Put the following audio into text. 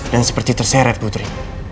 dan seperti terseret putri